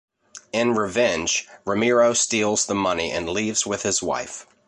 In revenge, Ramiro steals the money and leaves with his wife.